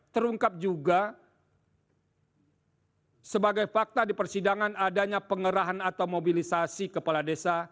terungkap juga sebagai fakta di persidangan adanya pengerahan atau mobilisasi kepala desa